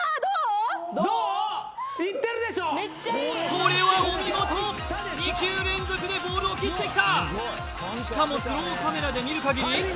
これはお見事２球連続でボールを斬ってきたしかもスローカメラで見るかぎり